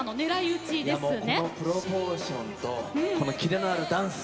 このプロポーションとこのキレのあるダンス。